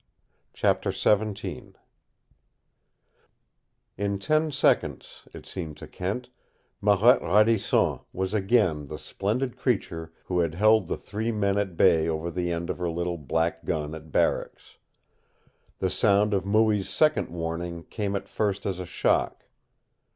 CHAPTER XVII In ten seconds, it seemed to Kent, Marette Radisson was again the splendid creature who had held the three men at bay over the end of her little black gun at barracks. The sound of Mooie's second warning came at first as a shock.